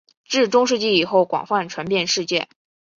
至中世纪以后广泛传遍世界。